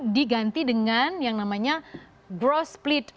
dikantikan dengan yang namanya growth split